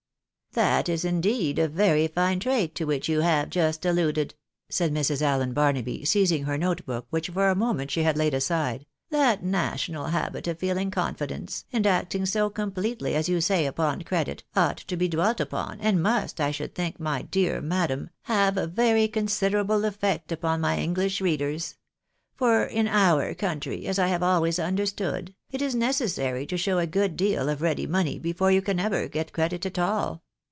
" That is indeed a very fine trait to which you have just alluded," said Mrs. Allen Barnaby, seizing her note book, which for a moment she had laid aside, " that national habit of feeUng confi dence, and acting so completely as you say upon credit, ought to be dwelt upon, and nmst, I should think, my dear madam, have a very considerable eflfect upon my English readers ; for in our country, as I have always understood, it is necessary to show a good deal of ready money before you can ever get credit at all.